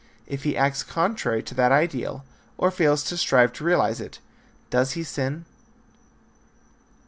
If he acts contrary to that ideal or fails to strive to realize it, does he sin?